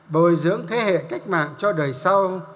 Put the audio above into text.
bồi dưỡng thế hệ cách mạng cho đời sau